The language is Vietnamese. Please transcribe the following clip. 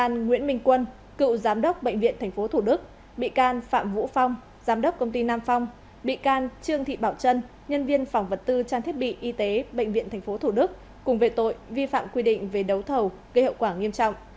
bị can nguyễn minh quân cựu giám đốc bệnh viện tp thủ đức bị can phạm vũ phong giám đốc công ty nam phong bị can trương thị bảo trân nhân viên phòng vật tư trang thiết bị y tế bệnh viện tp thủ đức cùng về tội vi phạm quy định về đấu thầu gây hậu quả nghiêm trọng